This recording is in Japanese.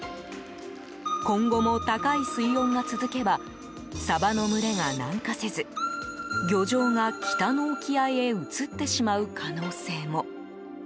今後も高い水温が続けばサバの群れが南下せず漁場が北の沖合へ移ってしまう可能性も。